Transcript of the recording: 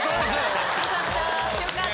よかった！